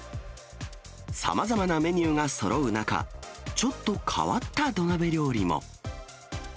さまざまなメニューがそろう中、ちょっと変わった土鍋料理も。